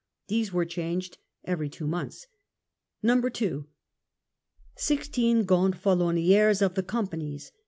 These were changed every two months. 2. Sixteen Gonfaloniers of the Comjmnies.